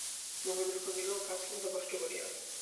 মহেন্দ্র কহিল, কাজ কী এত কষ্ট করিয়া।